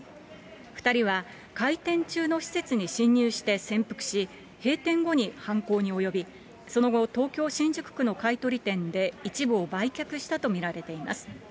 ２人は開店中の施設に侵入して潜伏し、閉店後に犯行に及び、その後、東京・新宿区の買い取り店で一部を売却したと見られています。